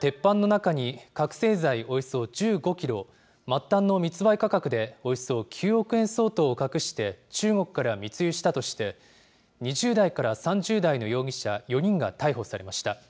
鉄板の中に覚醒剤およそ１５キロ、末端の密売価格でおよそ９億円相当を隠して中国から密輸したとして、２０代から３０代の容疑者４人が逮捕されました。